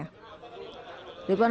ridwan kamil berkata